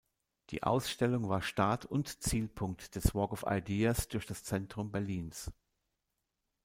Die Ausstellung war Start- und Zielpunkt des Walk of Ideas durch das Zentrum Berlins.